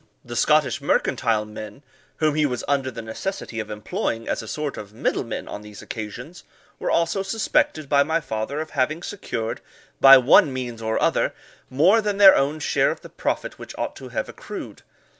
The Scottish mercantile men, whom he was under the necessity of employing as a sort of middle men on these occasions, were also suspected by my father of having secured, by one means or other, more than their own share of the profit which ought to have accrued.